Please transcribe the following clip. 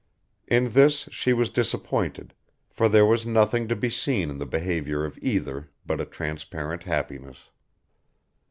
In this she was disappointed, for there was nothing to be seen in the behaviour of either but a transparent happiness.